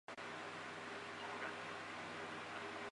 联合政府另一政党自民党和在野工党领袖均表示支持法案。